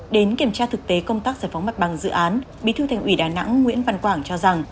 đến kiểm tra thực tế công tác giải phóng mặt bằng dự án bí thư thành ủy đà nẵng nguyễn văn quảng cho rằng